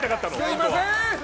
すみません！